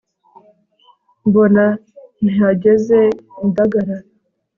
mbona ntihageze indagara